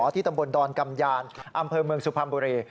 ที่ตำบลดอนกำยานอำเภอเมืองสุพรรณบุรี